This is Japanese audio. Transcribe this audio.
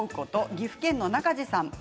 岐阜県の方です。